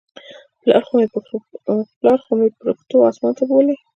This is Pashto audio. پلار خو مې پرښتو اسمان ته بولى.